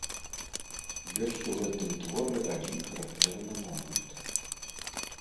Ёсць у гэтым творы адзін характэрны момант.